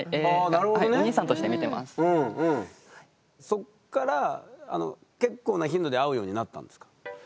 そっから結構な頻度で会うようになったんですか？